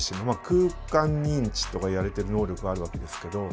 空間認知とかいわれてる能力があるわけですけど。